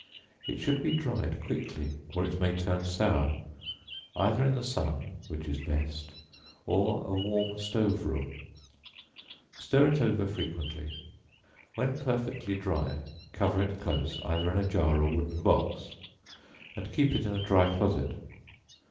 It should be dried quickly, or it may turn sour, either in the sun, (which is best,) or a warm stove room; stir it over frequently; when perfectly dry, cover it close, either in a jar or wooden box, and keep it in a dry closet.